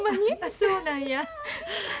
そうなんや。